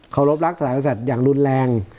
เคารบรักสถานกสัตว์อย่างรุนแรง